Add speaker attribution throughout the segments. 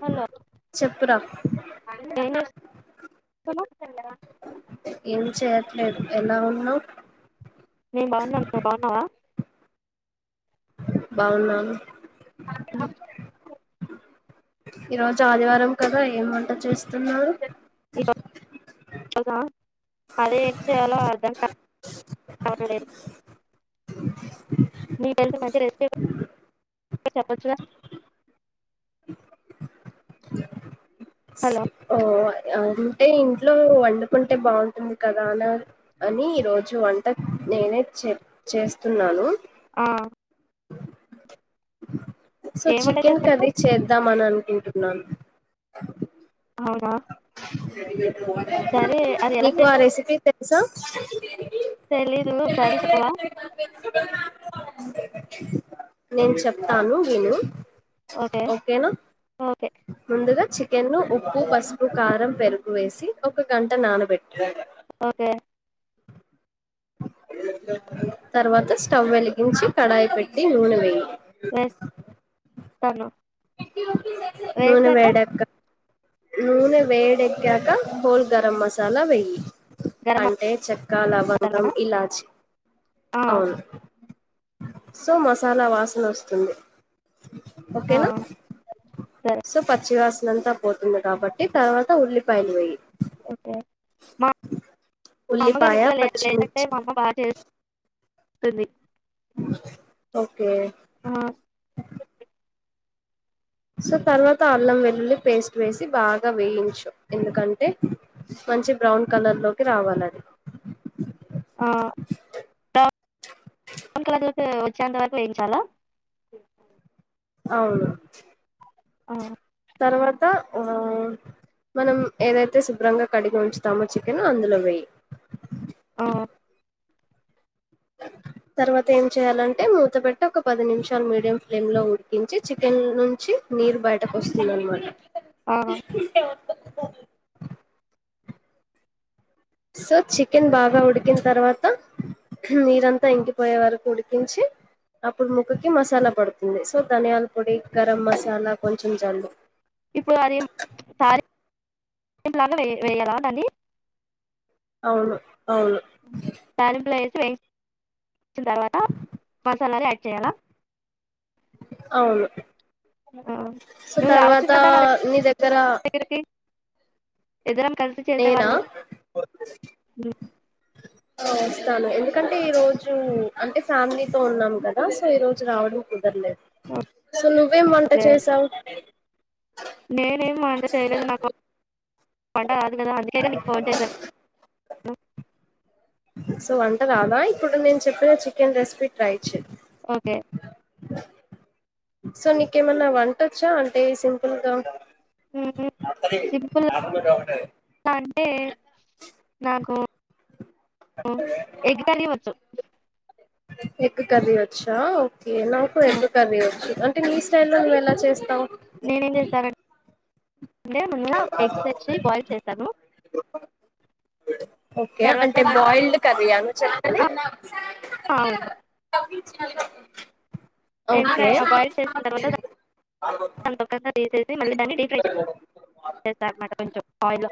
Speaker 1: Hello.
Speaker 2: చెప్పురా
Speaker 1: అది కూడా నేనే.
Speaker 2: ఏం చేయట్లేదు ఎలా ఉన్నవ్.
Speaker 1: నేను బాగున్నాను నువ్వు బాగున్నవా.
Speaker 2: బావున్నాను. ఈ రోజు ఆదివారం కదా ఏం వంట చేస్తున్నావ్.
Speaker 1: ఆహ్ అదే ఏం చేయాలో అర్దం కావట్లేదు. మీరు వెళ్తే [unintelligible] చెప్పొచ్చు కదా.
Speaker 2: ఓ అది. అంటే ఇంట్లో వండుకుంటే బాగుంటుంది కదా అని అని ఈ రోజు వంట నేనే చే. చెప్ చేస్తున్నాను.
Speaker 1: ఆహ్.
Speaker 2: సో
Speaker 1: ఏం వంట
Speaker 2: చికెన్
Speaker 1: చేస్తున్నావ్
Speaker 2: కర్రీ చేద్దాంమని అనుకు. కుంటున్నాను.
Speaker 1: అవునా. సరే అది ఎలా
Speaker 2: నీకు ఆ
Speaker 1: చేయాలో
Speaker 2: రెసిపీ తెలుసా.
Speaker 1: తెలీదు ఒసారి చెప్పవా.
Speaker 2: నేను చెప్తాను విను.
Speaker 1: ఓకే
Speaker 2: ఓకేనా
Speaker 1: ఓకే
Speaker 2: ముందుగా చికెన్ ను ఉప్పు పసుపు. కారం పెరుగు వేసి ఒక గంట నానబెట్టుకోవాలి.
Speaker 1: ఓకే.
Speaker 2: తర్వాత స్టవ్ వెలిగించి కడాయి పెట్టి నూనె వేయి.
Speaker 1: Wait hello.
Speaker 2: నూనె వేడక్క. నూనె వేడెక్కాక హోల్ గరం మసాలా వెయ్యి
Speaker 1: గరం
Speaker 2: అంటే చెక్క లవంగం
Speaker 1: మసాలానా
Speaker 2: ఇలాచి
Speaker 1: ఆ
Speaker 2: అవును సో మసాలా వాసన వస్తుంది
Speaker 1: ఆ
Speaker 2: ఓకేనా
Speaker 1: సరే
Speaker 2: సో పచ్చివాసన అంతా పోతుంది కాబట్టి తర్వాత ఉల్లిపాయలు వేయి
Speaker 1: ఓకే మా మా అమ్మగారు
Speaker 2: ఉల్లిపాయ
Speaker 1: ఇంట్లో లే లేదంటే
Speaker 2: పచ్చిమిర్చి
Speaker 1: మా అమ్మ బాగ్ చెస్. అది.
Speaker 2: ఓకే.
Speaker 1: ఆ
Speaker 2: సొ తర్వాత అల్లం వెల్లుల్లి పేస్ట్ వేసి బాగా వేయించు ఎందుకంటే. మంచి బ్రౌన్ కలర్ లొకి రావాలది
Speaker 1: ఆ బ్రౌన్ కలర్ లొకి వొచ్చేంత వరకు వేయించాలా
Speaker 2: అవును
Speaker 1: ఆ
Speaker 2: తర్వాత ఆ మనం ఏదైతే శుభ్రంగా కడిగి ఉంచుతామో చికెను అందులో వేయి
Speaker 1: ఆహ్
Speaker 2: తర్వాత ఏం చేయ్యాలంటే మూత పెట్టి ఒక పది నిమిషాలు మీడియం ఫ్లేమ్ లొ ఉడికించి చికెన్ నుంచి నీరు బయటకోస్తుందనమాట
Speaker 1: ఆహ్
Speaker 2: సో చికెన్ బాగా ఉడికిన తర్వాత నీరంతా ఇంకిపోయేవరకు ఉడికించి అప్పుడు ముక్కకి మసాలా పడుతుంది సో ధనియాల పొడి గరం మసాలా కొంచెం జల్లు
Speaker 1: ఇప్పుడు అది తాళింప్ లాగా వేయాలా దాన్ని
Speaker 2: అవును అవును
Speaker 1: తాళింప్ల యేస్ [inaudible] సిన తర్వాత మసాలాలు యాడ్ చేయాలా
Speaker 2: అవును
Speaker 1: ఆ
Speaker 2: సొ
Speaker 1: నువ్వు రావచ్చు
Speaker 2: తర్వాత
Speaker 1: కదా నా
Speaker 2: నీ దగ్గర
Speaker 1: ఇదరం కలిసి చేసే
Speaker 2: నేనా
Speaker 1: వాళ్ళం
Speaker 2: అహ్ ఒస్తాను ఎందుకంటే ఈ రోజు అంటే ఫ్యామిలీతో ఉన్నాం కదా సో ఈ రోజు రావడం కుదర్లేదు సొ నువ్వేం వంట
Speaker 1: ఓకే
Speaker 2: చేసావ్
Speaker 1: నేనేం వంట చెయలేదు నాకు వ వంట రాదు గదా అందుకే గా నీకు ఫోన్ చేశాను
Speaker 2: సొ వంట రాదా ఇప్పుడు నేను చెప్పిన chicken recipe try
Speaker 1: okay
Speaker 2: so నీకేమన్న వంటొచ్చా అంటే సింపుల్గా
Speaker 1: సింపుల్గా అంటే నాకు ఎగ్ కర్రీ వచ్చు
Speaker 2: ఎగ్ కర్రి వచ్చా ఓకే నాకు
Speaker 1: ఆ,
Speaker 2: ఎగ్ కర్రి వచ్చు నీ స్టైల్ లొ నువెలా చేస్తావ్
Speaker 1: అంటే ముందుగా ఎగ్స్ తెచ్చి బాయిల్ చేశాను
Speaker 2: ఓకే అంటే బాయిల్డ్ కర్రీయా నువ్ చెప్పేది
Speaker 1: అవునవును ఎందుకం
Speaker 2: ఓకే
Speaker 1: ఆ బాయిల్ చేసిన తర్వాత [inaudible] సి మళ్ళీ దాన్ని డీఫ్రై చె చేస్తాన్మాట కొంచం ఆయిల్లో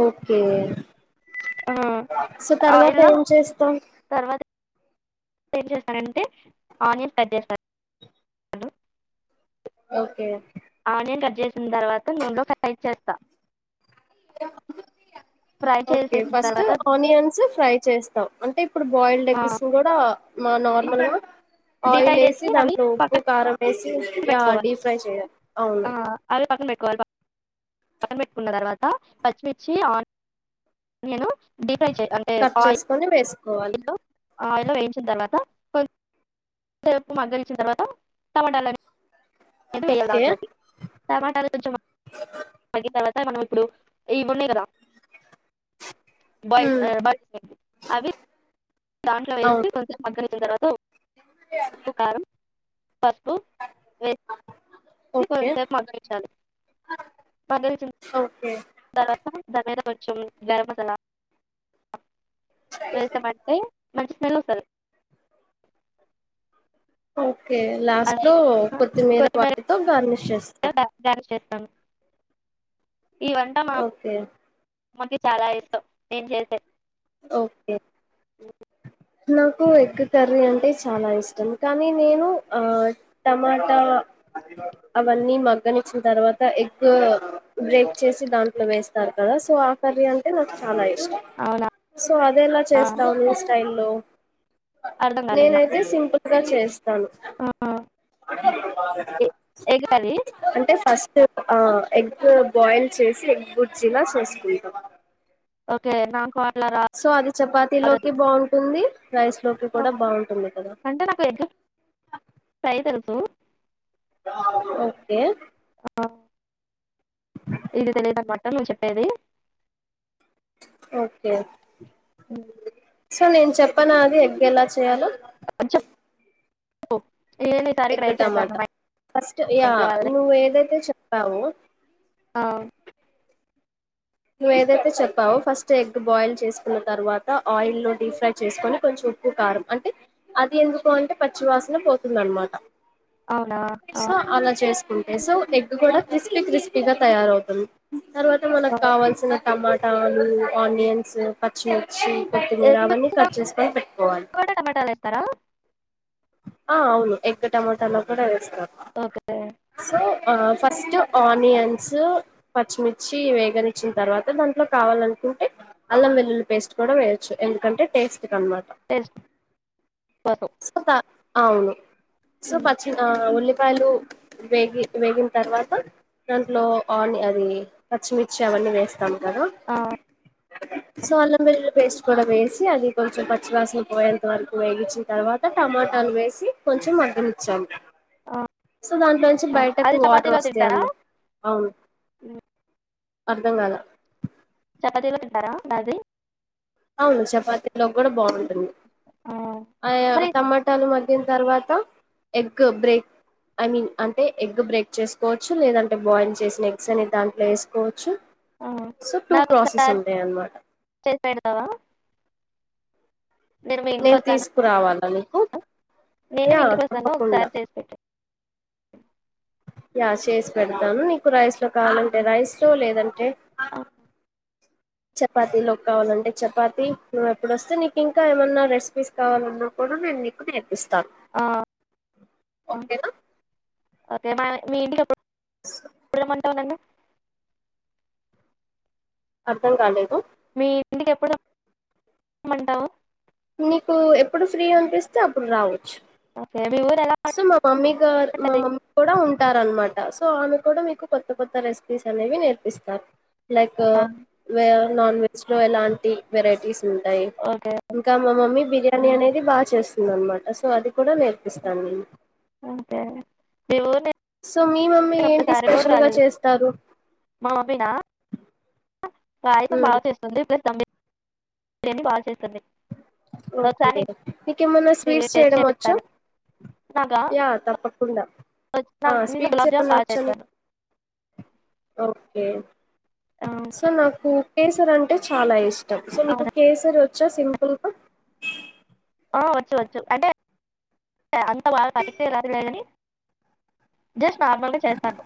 Speaker 2: ఓకే
Speaker 1: ఆ
Speaker 2: సొ తర్వాత ఏం చేస్తాం.
Speaker 1: ఏ చేస్తానంటే ఆనియన్ కట్ చేస్తాను.
Speaker 2: ఓకే
Speaker 1: చేసిన్ తర్వాత నున్లో ఫ్రై చేస్తా. ఫ్రై
Speaker 2: ఓకే
Speaker 1: చేసేసిన
Speaker 2: ఫస్ట్
Speaker 1: తర్వాత
Speaker 2: ఆనియన్స్ ఫ్రై చేస్తాం అంటే ఇప్పుడు బాయిల్డ్
Speaker 1: ఆ
Speaker 2: ఎగ్స్ కూడా మా నార్మల్గా
Speaker 1: డీప్ ఫ్రై
Speaker 2: ఆయిల్ ఏసి
Speaker 1: చేసి అవి
Speaker 2: దాంట్లో ఉప్పు
Speaker 1: పక్కన
Speaker 2: కారం ఏసి య
Speaker 1: పెట్టుకోవాలి
Speaker 2: డీప్ ఫ్రై చేయల్ అవును
Speaker 1: ఆ అవి పక్కన పెట్టుకున్న తర్వాత పచ్చమిర్చి ఆనియను డీప్ ఫ్రై చెయ్ అంటే
Speaker 2: కట్
Speaker 1: ఆయిల్
Speaker 2: చేసుకొని వేసుకోవాలి
Speaker 1: ఆయిల్లో ఆయిల్లో ఏంచిన్ తర్వాత కొ కొద్దిసేపు మగ్గనిచ్చిన్ తర్వాత టమాటాల నేవి వేయాల్
Speaker 2: ఓకే
Speaker 1: దాంట్లోకి టమాటాలు కొంచం మగ్గిన్ తర్వాత మనం ఇప్పుడు ఇవ్వునై కదా బాయిల్
Speaker 2: హ్మ్
Speaker 1: ఆ బాల్ అవి దాంట్లో వేసి
Speaker 2: అవును
Speaker 1: కొంచం మగ్గనించిన్ తర్వాత ఉప్పు, కారం, పసుపు వే సి కొంచం
Speaker 2: ఓకే
Speaker 1: సేపు మగ్గించాలి. మగ్గనిం
Speaker 2: ఓకే
Speaker 1: తర్వాత దాన్ మీద కొంచెం గరం మసాలా వేసాం అంటే మంచి స్మెల్ ఒస్తది.
Speaker 2: ఓకే
Speaker 1: అలా
Speaker 2: లాస్ట్లో కొత్తిమీర వాటితో గార్నిష్ చేస్తార్
Speaker 1: గార్నిష్ చేస్తాను ఈ వంట మా
Speaker 2: ఓకే
Speaker 1: మన్కి చాలా ఇష్టం నేన్ చేసే
Speaker 2: ఓకే. నాకు ఎగ్ కర్రీ అంటే చాలా ఇష్టం కానీ నేను ఆ టమాటా అవన్నీ మగ్గనిచ్చిన్ తర్వాత ఎగ్ బ్రేక్ చేసి దాంట్లో వేస్తార్ కదా సో ఆ కర్రీ అంటే నాక్ చాలా ఇష్టం
Speaker 1: అవునా
Speaker 2: సో అదేలా చేస్తావ్ నీ స్టైల్లో
Speaker 1: అర్థం కాలేదు నాకు
Speaker 2: నేనైతే సింపుల్గా చేస్తాను.
Speaker 1: ఆ ఎ- ఎగ్ కర్రీ
Speaker 2: అంటే ఫస్ట్ ఆ ఎగ్ బాయిల్ చేసి ఎగ్ బుర్జీగా చేస్కుంట
Speaker 1: ఓకే నాకు అం
Speaker 2: సో అది చపాతీలోకి బావుంటుంది. రైస్లోకి కూడా బావుంటుంది కదా
Speaker 1: అంటే నాకు ఎగ్ ఫ్రై తెలుసు
Speaker 2: ఓకే.
Speaker 1: ఆ ఇది తెలిదనన్మాట నువ్ చెప్పేది.
Speaker 2: ఓకేే.
Speaker 1: ఊమ్
Speaker 2: సో నేన్ చెప్పనా అది ఎగ్ ఎలా చేయాలో
Speaker 1: ఒ
Speaker 2: పెద్ద టమాట ఫస్ట్ యా
Speaker 1: ఇంట్లో వాళ్ళని
Speaker 2: నువ్వ ఏదైతే చెప్పావో
Speaker 1: ఆ
Speaker 2: నువ్ ఏదైతే చెప్పావో ఫస్ట్ ఎగ్ బాయిల్ చేస్కున్న తర్వాత ఆయిల్లో డీ ఫ్రై చేస్కొని కొంచెం ఉప్పు, కారం అంటే అది ఎందుకు అంటే పచ్చివాసన పోతుందన్మాట.
Speaker 1: అవునా
Speaker 2: ఇట్
Speaker 1: ఆ
Speaker 2: సో అలా చేస్ కుంటే సో ఎగ్ కూడా క్రిస్పీ క్రిస్పీగా తయారవుతుంది. తర్వాత మనక్
Speaker 1: ఆ
Speaker 2: కావాల్సిన టమాటాలు, ఆనియన్స్, పచ్చిమిర్చి కొత్తిమీరా అవ్వని
Speaker 1: ఎగ్గుచ్చినా
Speaker 2: కట్ చేస్కొని పెట్టుకోవాలి.
Speaker 1: కూడా టమాటాలు వేస్తారా
Speaker 2: ఆ అవును ఎగ్ టమటాలో కూడా వేస్తాం.
Speaker 1: ఓకే
Speaker 2: అ ఆ ఫస్ట్ ఆనియన్స్, పచ్చిమిర్చి వేగనిచ్చిన తర్వాత దాంట్లో కావల్ అన్కుంటే అల్లం వెల్లుల్లి పేస్ట్ కూడా వేయొచ్చు. ఎందుకంటే టేస్ట్ కన్బాట
Speaker 1: బను
Speaker 2: అవును సో పచ్చిన ఉల్లిపాయలు వేగి వేగిన్తర్వాత దాంట్లో ఆని అది పచ్చిమిర్చి అవన్నీ వేస్ [inaudible]
Speaker 1: ఆ
Speaker 2: సో అల్లం, వెల్లుల్లి పేస్ట్ కూడా వేసి అది కొంచెం పచ్చివాసన పోయేంత వరకు వేగిచ్చి తర్వాత టమాటాలు వేసి కొంచెం మగ్గనిచ్చాము.
Speaker 1: ఆ
Speaker 2: సో దాంట్లో నుంచి
Speaker 1: ఆ.
Speaker 2: బయటకు
Speaker 1: అది
Speaker 2: వాటర్
Speaker 1: చపాతీలో తింటారా
Speaker 2: వస్తాయన్మట అవును అర్ధం కాల
Speaker 1: చపాతిలు తింటారా రాత్రి?
Speaker 2: అవును చపాతీలో కూడా బావుంటుంది
Speaker 1: ఆ
Speaker 2: ఆయో
Speaker 1: మరి
Speaker 2: టమాటాలు మరి దీని తర్వాత ఎగ్ బ్రేక్ ఐ మీన్ అంటే ఎగ్ బ్రేక్ చేసుకోచ్చు. లేదంటే బాయిల్ చేసిన ఎగ్స్ అన్ని దాంట్లో వేసుకోవచ్చు.
Speaker 1: ఆ
Speaker 2: సో టూ
Speaker 1: నాకు
Speaker 2: ప్రొసెస్
Speaker 1: ఒకసారి
Speaker 2: ఉంటాయన్మాట.
Speaker 1: చేసి పెడతావా మీ ఇంటికి
Speaker 2: నేను
Speaker 1: వస్తాను
Speaker 2: తీసుకురావాలా నీకు
Speaker 1: నేను
Speaker 2: యా
Speaker 1: మీ ఇంటికి వస్తాను
Speaker 2: తప్పకుండా
Speaker 1: ఒకసారి చేసి పెట్టు
Speaker 2: యా చేసి పెడతాను. నీకు రైస్ లో కావాలంటే రైస్ లో లేదంటే
Speaker 1: అ
Speaker 2: చపాతిలోకి కావాలంటే చపాతి నువ్వు ఎప్పుడు వస్తే నీకు ఇంకా ఏమైన్నా రెస్పీస్ కావాలన్నాప్పుడు నేను మీకు నేర్పిస్తాను
Speaker 1: ఆ,
Speaker 2: ఓకేనా
Speaker 1: ఓకే మా మీ ఇంటికి ఎప్పుడు రమ్మంటావు నన్ను?
Speaker 2: అర్థం కాలేదు
Speaker 1: మీ ఇంటికి ఎప్పుడు రమ్మంటావు?
Speaker 2: నీకు ఎప్పుడు ఫ్రీ అనిపిస్తే అప్పుడు రావచ్చు.
Speaker 1: ఓకే మీ ఊరు ఎలా
Speaker 2: సో మా మమ్మీ గార్ మా
Speaker 1: ఉంటది
Speaker 2: మమ్మీ కూడా ఉంటారన్మాట. సో ఆమె కూడా మీకు కొత్త కొత్త రెస్పీస్ అనేవి నేర్పిస్తారు లైకు
Speaker 1: ఆ
Speaker 2: వే నాన్ వెజ్ లో ఎలాంటి వెరైటీస్ ఉంటాయి.
Speaker 1: ఓకే
Speaker 2: ఇంకా మా మమ్మీవి బిర్యానీ అనేది బాగా చేస్తుంది అనమాట సో అది కూడా నేర్పిస్తాను నేను.
Speaker 1: అదే దేవు నేను
Speaker 2: సో మీ మమ్మీ ఏంటి
Speaker 1: ఒక్కసారి కూడా
Speaker 2: స్పెషల్గా
Speaker 1: రాలేదు
Speaker 2: చేస్తారు?
Speaker 1: మా మమ్మీనా పాయసం
Speaker 2: మ్మ్.
Speaker 1: బాగా చేస్తుంది. ప్లెస్ దంబిర్యానీ బాగా చేస్తుంది.
Speaker 2: ఓకే
Speaker 1: ఒకసారి
Speaker 2: నీకేమన్న
Speaker 1: నీకు
Speaker 2: స్వీట్స్
Speaker 1: టేస్ట్
Speaker 2: చేయడం వచ్చా?
Speaker 1: చేపిస్తాను నాకా
Speaker 2: యా తప్పకుండా ఆ
Speaker 1: నేను
Speaker 2: స్వీట్స్
Speaker 1: గులాబ్ జామ్
Speaker 2: ఏమన్నా
Speaker 1: బాగా
Speaker 2: వచ్ఛా
Speaker 1: చేస్తాను
Speaker 2: నీకు? ఓకే
Speaker 1: ఆ
Speaker 2: సో నాకు కేసర్ అంటే చాలా ఇష్టం. సో నీకు
Speaker 1: అవునా
Speaker 2: కేసరి వచ్చా సింపుల్గ?
Speaker 1: ఆ వచ్చు వచ్చు అంటే అంత బాగా పర్ఫెక్ట్ గ రాదు లేగాని జస్ట్ నార్మల్గా చేస్తాను.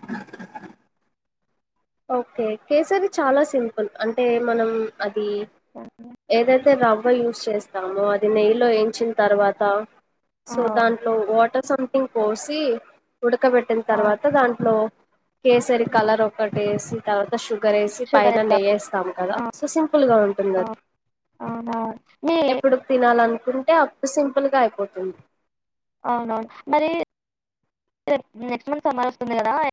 Speaker 2: ఓకే కేసరి చాలా సింపుల్ అంటే మనం అది ఏదైతే ర వ్వ యూస్ చేస్తాము. అది నెయ్యిలో ఎంచిన్ తర్వాత
Speaker 1: ఆ
Speaker 2: సో దాంట్లో వాటర్ సంథింగ్ పోసి ఉడకబెట్టిన
Speaker 1: ఆ
Speaker 2: తర్వాత దాంట్లో కేసరి కలర్ ఒ కటి వేసి తర్వాత షుగర్ ఏసి
Speaker 1: షుగర్
Speaker 2: పైన నెయ్యి
Speaker 1: ఏస్తాము
Speaker 2: వేస్తాం కద.
Speaker 1: ఆ
Speaker 2: సుసాం ఫుల్ గా ఉంటుంది
Speaker 1: ఆ
Speaker 2: అది
Speaker 1: అవునా మీ
Speaker 2: ఎప్పుడు తినాలన్ కుంటే అప్పుడు సింపుల్గా అయిపోతుంది.
Speaker 1: అవునవును మరి [inaudible] నెక్స్ట్ మంత్ సమ్మర్ వస్తుంది కదా. ఎ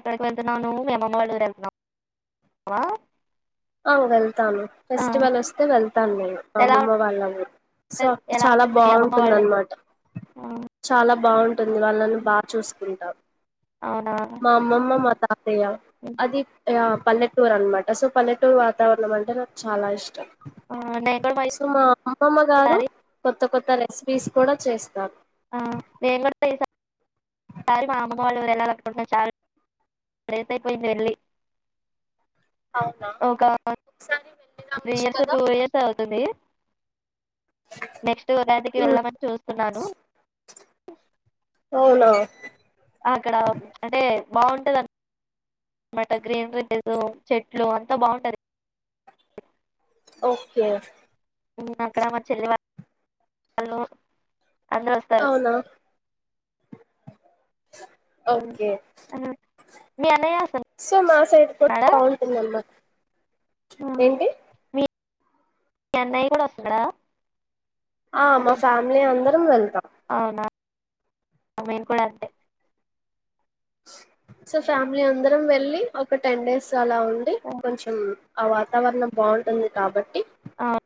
Speaker 1: ఎక్కడికి వెళ్తున్నావు నువ్వు మీ అమమ్మ వాళ్ళ ఊరు వెళ్తున్నా వా?
Speaker 2: ఆ వెళ్తాను ఫెస్టివల్ వస్తే వెళ్తాను నేను మా
Speaker 1: ఎలా
Speaker 2: అమ్మమ్మ వాళ్ళ ఊరికి. సో అప్పుడు
Speaker 1: ఎలా
Speaker 2: చాలా
Speaker 1: ఉంటుంది మీ అమ్మమ్మ
Speaker 2: బావుంటుంది
Speaker 1: వాళ్ళది
Speaker 2: అన్మాట చాలా బావుంటుంది వాళ్ళని బాగా చూసుకుంటాం.
Speaker 1: అవునా
Speaker 2: మా అమ్మమ్మ మాతా తయ్య అది ఆ పల్లెటూర్ అన్మాట సో పల్లె టురు వాతావరణం అంటే నాకు చాలా ఇష్టం.
Speaker 1: నేను కూడా మరి
Speaker 2: సో మా అమ్మమ్మ గారు కొ
Speaker 1: ఈసారి
Speaker 2: కొత్త కొత్త రెస్పీస్ కూడా చేస్.
Speaker 1: ఆహ్ నేను కూడ ఈ సారి సారి మా అమ్మమ్మ వాళ్ళూరు ఎల్లాలనుకుంటున్న చాలా. డేస్ అయిపోయింది వెళ్లి. ఒక
Speaker 2: ఒకసారి వెళ్ళి
Speaker 1: త్రీ
Speaker 2: రావచ్చు
Speaker 1: ఇయర్స్,
Speaker 2: కదా
Speaker 1: టు ఇయర్స్ అవుతది. నెక్స్ట్ ఉగాదికి
Speaker 2: ఉమ్,
Speaker 1: వెళ్ళదమని చూస్తున్నాను.
Speaker 2: అవున
Speaker 1: అక్కడ అంటే బాగుంటదన్. నా మాట గ్రీన్ కలర్ చెట్లు అంతా బాగుంటది.
Speaker 2: ఓకే.
Speaker 1: అక్కడ మా చెల్లి వాళ్ళు ఉండ్రు.
Speaker 2: అవునా.
Speaker 1: ఉమ్,
Speaker 2: ఓకే.
Speaker 1: ఉమ్. మీ అన్నయ్య.
Speaker 2: సో మా సైడ్ కూడా
Speaker 1: వస్తున్నాడా
Speaker 2: బాగుంటుందమ్మా.
Speaker 1: ఉమ్ మీ మీ అన్నయ్య కూడా వస్తాడా.
Speaker 2: ఆహ్ మా ఫ్యామిలీ అందరం వెళ్తామ్.
Speaker 1: అవునా మేము కూడా అంతే.
Speaker 2: సో ఫ్యామిలీ అందరం వెళ్ళి ఒక టెన్ డేస్ అలా ఉండి కొంచెం. ఆ వాతవరణం బాగుంటుంది కాబట్. ట్టి
Speaker 1: అవును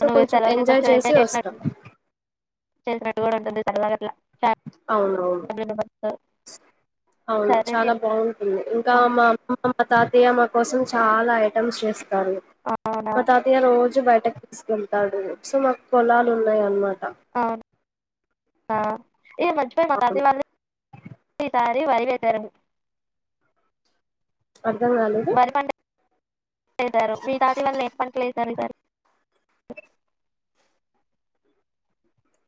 Speaker 2: సో
Speaker 1: నువ్వు
Speaker 2: కొంచం ఎంజాయ్ చేసి వస్తాం.
Speaker 1: చుసినట్టు కూడా ఉంటుంది చల్లాగాలి అట్లా.
Speaker 2: అవునవును.
Speaker 1: ఫ్యామిలీ మెంబర్స్ తో
Speaker 2: అవును
Speaker 1: సరే
Speaker 2: చాలా
Speaker 1: నేను
Speaker 2: బాగుంటుంది ఇంకా మా అమ్మమ్మ. మా తాతయ్య మా కోసం చాలా ఐటమ్స్ చేస్తారు
Speaker 1: అవునా
Speaker 2: మా తాతయ్య రోజు. బయటకు తీసుకెళ్తాడు సో మాకు పోలాలు ఉన్నాయి అన్నమాట.
Speaker 1: అవును ఉమ్ ఈ మధ్య మా
Speaker 2: అవును
Speaker 1: తతాయ్య వాళ్ళు ఈసారి వరి. చేశారు అండి.
Speaker 2: అర్ధం కాలేదు.
Speaker 1: చేసారు మీ తాతయ్య వాళ్ళ ఎం పని చేస్తుంటారు.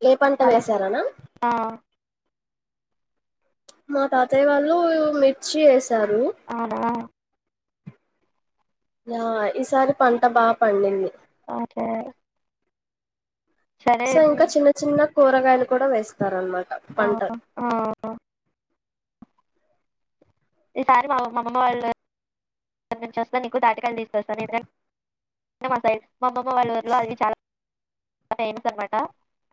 Speaker 2: ఏ పంట
Speaker 1: హలో
Speaker 2: వేశారనా.
Speaker 1: ఆ,
Speaker 2: మా తాతయ్య వాళ్ళు మిర్చి వేసారు.
Speaker 1: అవునా
Speaker 2: ఆహ్ ఈసారి పంట బాగా పండింది.
Speaker 1: ఓకే. సరే
Speaker 2: సో ఇంకా చిన్న చిన్న కూరగాయలు కూడా వేస్తారనమాట
Speaker 1: ఆ,
Speaker 2: పంటలు.
Speaker 1: ఆ. ఈసారి మా అమ్మమ్మ వాళ్ల ఉర్ నుంచి వస్తే నీకు తాటికల్లు తీసుకొస్తాను ఇద్దర్. మా సైడ్. మా అమ్మమ్మ వాళ్ళ ఊరిలో అవి చాలా ఫేమస్ అనమాట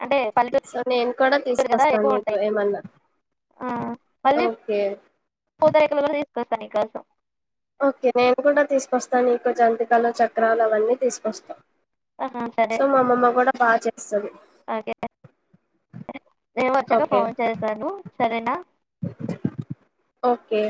Speaker 1: అంటే పల్లెటూరు.
Speaker 2: సో నేను కూడా
Speaker 1: కదా
Speaker 2: తీసుకొస్తాను
Speaker 1: ఎక్కువ
Speaker 2: నీకు
Speaker 1: ఉంటాయి
Speaker 2: ఏమన్నా
Speaker 1: ఆ, మళ్ళీ
Speaker 2: ఓకే.
Speaker 1: పూతరేకులు కూడా తీసుకొస్తా నీ కోసం.
Speaker 2: ఓకే నేను కూడా తీసుకొస్తాను నీకు జంతికలు చక్రలు అవన్నీ తీసుకొస్తా.
Speaker 1: ఆహా సరే
Speaker 2: సో మా అమ్మమ్మ కూడా బాగా చేస్తది.
Speaker 1: ఓకే నేను వచ్చాక కాల్ చేస్తాను సరేనా.
Speaker 2: ఓకే.